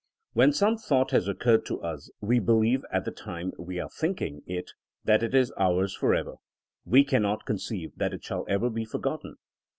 When some thought has occurred to us we be lieve at the time we are thinking it that it is ours forever. We cannot conceive that it shall ever be forgotten.